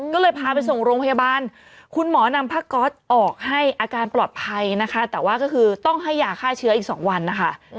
ก็เลยพาไปส่งโรงพยาบาลคุณหมอนำผ้าก๊อตออกให้อาการปลอดภัยนะคะแต่ว่าก็คือต้องให้ยาฆ่าเชื้ออีก๒วันนะคะ